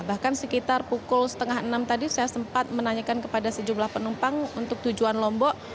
bahkan sekitar pukul setengah enam tadi saya sempat menanyakan kepada sejumlah penumpang untuk tujuan lombok